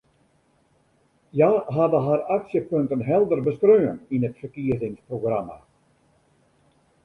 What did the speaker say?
Hja hawwe har aksjepunten helder beskreaun yn it ferkiezingsprogramma.